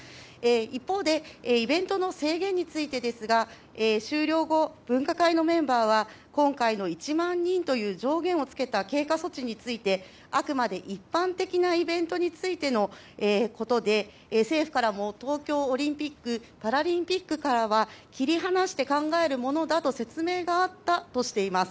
一方でイベントの制限についてですが終了後、分科会のメンバーは今回の１万人という上限をつけた経過措置についてあくまで一般的なイベントについてのことで政府からも東京オリンピック・パラリンピックからは切り離して考えるものだと説明があったとしています。